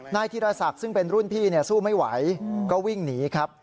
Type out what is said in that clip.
ธีรศักดิ์ซึ่งเป็นรุ่นพี่สู้ไม่ไหวก็วิ่งหนีครับ